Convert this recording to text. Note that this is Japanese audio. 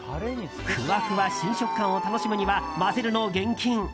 ふわふわ新食感を楽しむには混ぜるの厳禁。